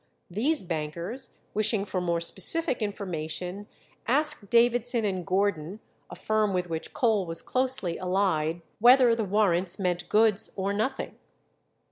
These bankers, wishing for more specific information, asked Davidson and Gordon, a firm with which Cole was closely allied, whether the warrants meant goods or nothing.